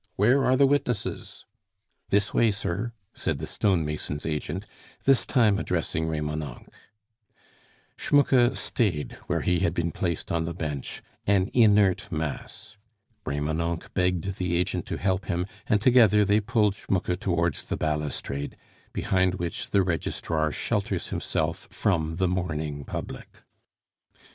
"Where are the witnesses?" "This way, sir," said the stone mason's agent, this time addressing Remonencq. Schmucke stayed where he had been placed on the bench, an inert mass. Remonencq begged the agent to help him, and together they pulled Schmucke towards the balustrade, behind which the registrar shelters himself from the mourning public.